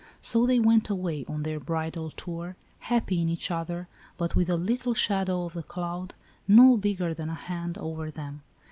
So they went away on their bridal tour, happy in each other, but with the little shadow of a cloud, no bigger than a hand, over them.